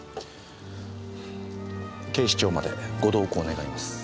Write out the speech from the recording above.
警視庁までご同行願います。